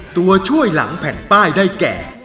ตัวช่วยหลังแผ่นป้ายได้แก่